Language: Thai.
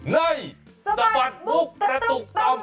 ในสบัดบุ๊กกระตุกต่อห้า